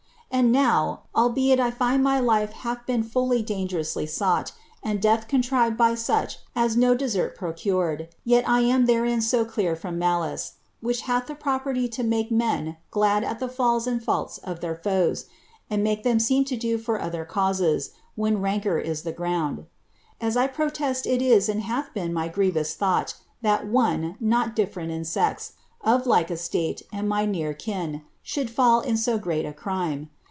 And now, albeit I find my life bath been full dangerously sought, and death BODtrired by such as no desert procured, yet I am therein so clear hx>m malice (which hath the property to make men glad at the falls and faults of their foes, lod make them seem to do for other causes, when rancour is the ground), as I protest it is and hatli been my grievous thought, that one, not diflferent in sex, of like estate, and my near kin, should fall in so great a crime.